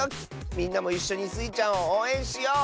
みんなもいっしょにスイちゃんをおうえんしよう！